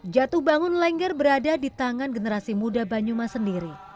jatuh bangun lengger berada di tangan generasi muda banyumas sendiri